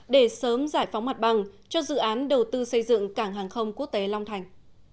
để sớm giải phóng mặt bằng cho dự án đầu tư xây dựng cảng hàng không quốc tế long thành